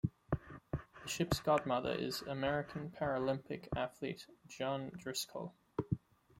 The ship's godmother is American paralympic athlete Jean Driscoll.